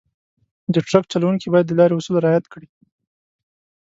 د ټرک چلونکي باید د لارې اصول رعایت کړي.